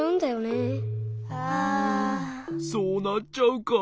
そうなっちゃうか。